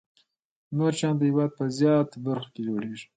نور شیان د هېواد په زیاتو برخو کې جوړیږي.